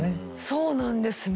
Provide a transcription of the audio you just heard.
そうなんです。